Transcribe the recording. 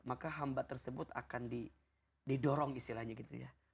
maka hamba tersebut akan didorong istilahnya gitu ya